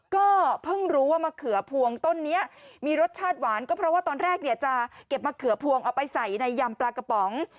ก็เพิ่งรู้ว่ามะเขือพวงต้นนี้มีรสชาติหวานก็เพราะว่าตอนแรกเนี่ยจะเก็บมะเขือพวงเอาไปใส่ในยำปลากระป๋อง